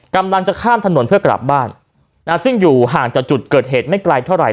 กำลังจะข้ามถนนเพื่อกลับบ้านซึ่งอยู่ห่างจากจุดเกิดเหตุไม่ไกลเท่าไห